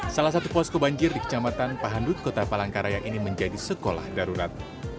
salah satu posko banjir di kecamatan pahandut kota palangkaraya ini menjadi sekolah darurat